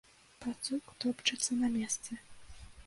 Пацук топчацца на месцы.